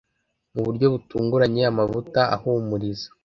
mu buryo butunguranye, amavuta ahumuriza